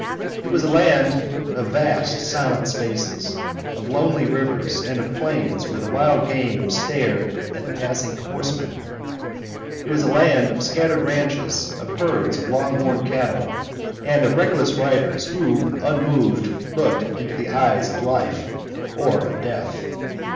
It was a land of vast silent spaces, of lonely rivers, and of plains where the wild game stared at the passing horseman. It was a land of scattered ranches, of herds of long horned cattle, and of reckless riders who unmoved looked in the eyes of life or of death.